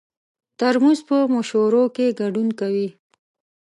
ترموز په مشورو کې ګډون کوي.